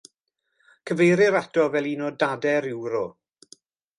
Cyfeirir ato fel un o dadau'r Euro.